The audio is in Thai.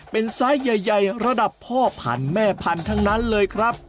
เป็นไซส์ใหญ่ระดับพ่อพันธุ์แม่พันธุ์ทั้งนั้นเลยครับ